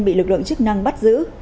bị lực lượng chức năng bắt giữ